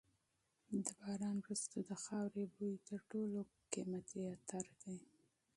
د باران وروسته د خاورې بوی تر ټولو قیمتي عطر دی.